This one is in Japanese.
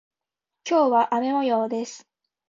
今日は雨模様です。